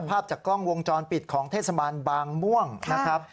ภาพจากกล้องวงจรปิดของเทศบาลบางม่วงนะครับ